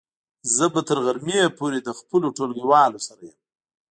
زه به تر غرمې پورې له خپلو ټولګیوالو سره يم.